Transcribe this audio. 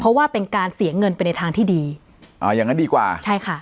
เพราะว่าเป็นการเสียเงินไปในทางที่ดีอ่าอย่างงั้นดีกว่าใช่ค่ะ